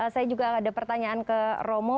saya juga ada pertanyaan ke romo